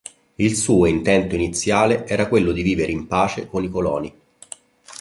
Il suo intento iniziale era quello di vivere in pace con i coloni.